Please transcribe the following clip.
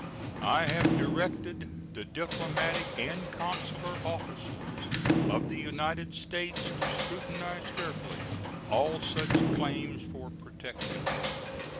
I have directed the diplomatic and consular officers of the United States to scrutinize carefully all such claims for protection.